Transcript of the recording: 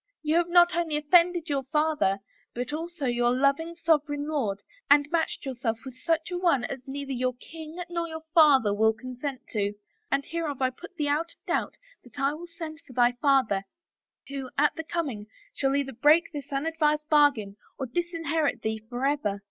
You have not only offended your father but also your loving sovereign lord and matched yourself with such a one as neither your king nor your father will consent to :— and hereof I put thee out of doubt that I will send for thy father, who, at the coming, shall either break this un advised bargain or disinherit thee forever.'